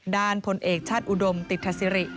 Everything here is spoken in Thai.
ด้านผลเอกชาติอุดมติธศิริ